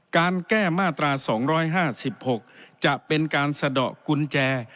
การแก้มาตรา๒๕๖จะเป็นการสะดอกกุญแจ